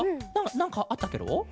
なんかあったケロ？